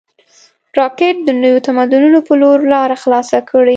راکټ د نویو تمدنونو په لور لاره خلاصه کړې